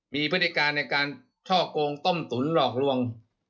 มีพฤติการในการช่อกงต้มตุ๋นหลอกลวง